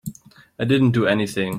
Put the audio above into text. I didn't do anything.